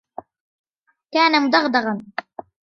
كان مدغدغا.